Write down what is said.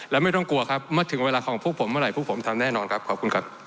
และไม่ต้องกลัวครับเมื่อถึงเวลาของพวกผมเมื่อไหพวกผมทำแน่นอนครับขอบคุณครับ